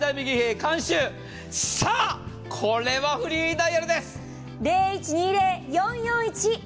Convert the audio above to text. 監修、さあ、これはフリーダイヤルです！